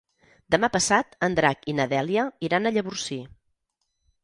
Demà passat en Drac i na Dèlia iran a Llavorsí.